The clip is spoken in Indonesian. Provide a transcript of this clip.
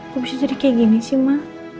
kok bisa jadi kayak gini sih mah